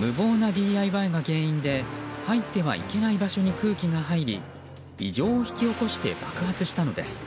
無謀なＤＩＹが原因で入ってはいけない場所に空気が入り異常を引き起こして爆発したのです。